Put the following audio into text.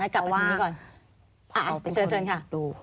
กลับไปทางนี้ก่อน